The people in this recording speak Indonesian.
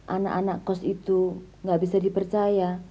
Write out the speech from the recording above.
anak anak kos itu nggak bisa dipercaya